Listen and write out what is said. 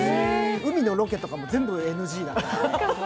海のロケとかも全部ＮＧなの。